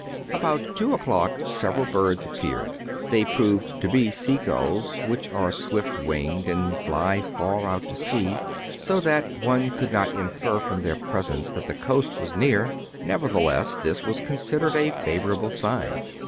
About two o'clock several birds appeared. DANGERS OF CAPT, BOYTON'S APPARATUS, 237 They proved to be sea gulls, which are swift winged, and fly far out to sea ; ^o that one could not infer from their presence that the coast was near. Nevertheless this was considered a favora ble sign.